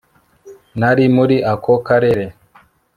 Nari muri ako karere